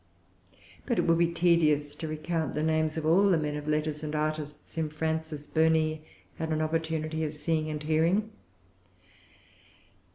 But it would be tedious to recount the names of all the men of letters and artists whom Frances Burney had an opportunity of seeing and hearing.